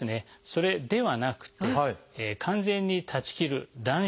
それではなくて完全に断ち切る断酒